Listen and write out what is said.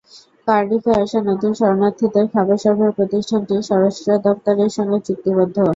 কার্ডিফে আসা নতুন শরণার্থীদের খাবার সরবরাহে প্রতিষ্ঠানটি স্বরাষ্ট্র দপ্তরের সঙ্গে চুক্তিবদ্ধ।